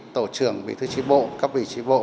tổ trưởng vị thư trí bộ các vị trí bộ